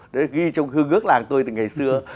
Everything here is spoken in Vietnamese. đấy ghi trong hương ước làng tôi từ ngày xưa